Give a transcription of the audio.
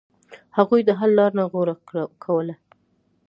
هغوی د حل لار نه غوره کوله.